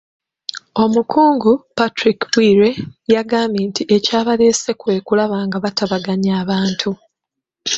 Omukungu, Patrick Bwire, yagambye nti ekyabaleese kwe kulaba nga batabaganya abantu.